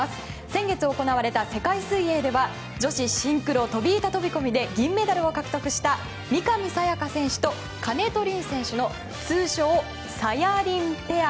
先月行われた世界水泳では女子シンクロ飛板飛込で銀メダルを獲得した三上紗也可選手と金戸凜選手の通称さやりんペア。